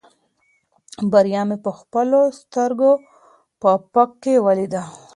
بریا مې په خپلو سترګو په افق کې ولیده.